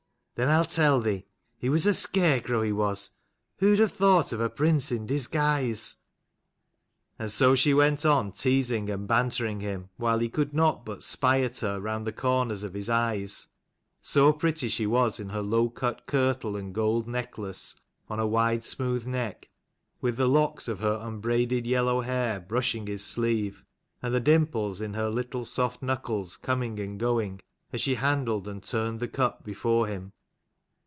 Then I'll tell thee. He was a scarecrow, he was. Who'd have thought of a prince in disguise ?" And so she went on teasing and bantering him, while he could not but spy at her round the corners of his eyes, so pretty she was in her low cut kirtle and gold necklace on a white smooth neck, with the locks of her unbraided yellow hair brushing his sleeve, and the dimples in her little soft knuckles coming and going, as she handled and turned the cup before him.